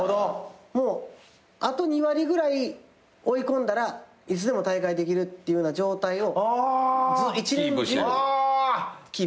あと２割ぐらい追い込んだらいつでも大会できるっていう状態を一年中キープしてる。